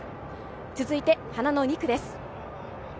続いて花の２区です。